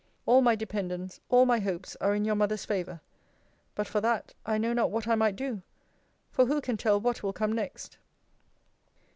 All my dependence, all my hopes, are in your mother's favour. But for that, I know not what I might do: For who can tell what will come next?